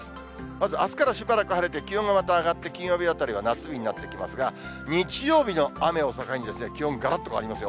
まずあすからしばらく晴れて、気温がまた上がって、金曜日あたりは夏日になってきますが、日曜日の雨を境に、気温、がらっと変わりますよ。